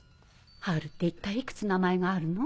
ハウルって一体いくつ名前があるの？